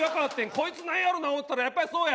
こいつなんやろうな思うてたらやっぱりそうや。